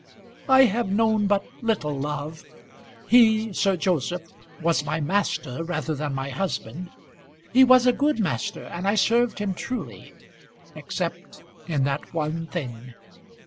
"I have known but little love. He Sir Joseph was my master rather than my husband. He was a good master, and I served him truly except in that one thing.